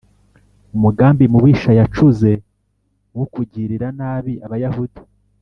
umugambi mubisha yacuze wo kugirira nabi Abayahudi